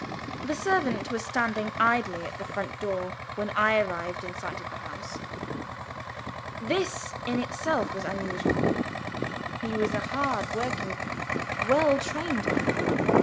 The servant was standing idling at the front door, when I arrived in sight of the house. This, in itself, was unusual. He was a hard working well trained man.